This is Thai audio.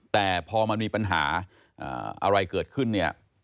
แต่พอมันมีปัญหาอะไรเกิดขึ้นเนี่ย